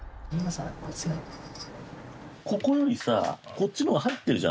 ここよりさこっちの方が入ってるじゃない。